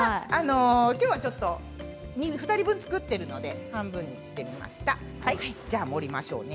きょうは２人分作っているので半分にしました。